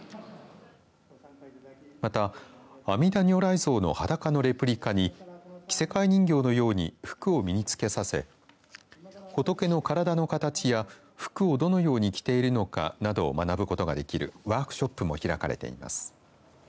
また阿弥陀如来像の裸のレプリカに着せ替え人形のように服を身につけさせ仏の体の形や服をどのように着ているのかなどを学ぶことができるワークショップも開かれています。